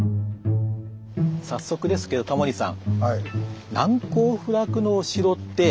早速ですけどタモリさん